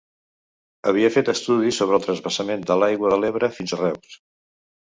Havia fet estudis sobre el transvasament de l'aigua de l'Ebre fins a Reus.